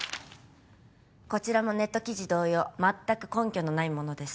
こちらもネット記事同様全く根拠のないものです